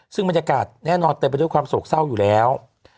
ซึ่งบรรยากาศแน่นอนเต็มไปด้วยความโศกเศร้าอยู่แล้ว